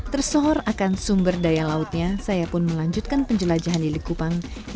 tersohor akan sumber daya lautnya saya pun melanjutkan penjelajahan di likupang